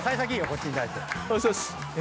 こっちに対して。